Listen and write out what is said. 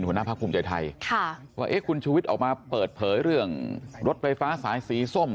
หัวหน้าภาคภูมิใจไทยว่าเอ๊ะคุณชูวิทย์ออกมาเปิดเผยเรื่องรถไฟฟ้าสายสีส้ม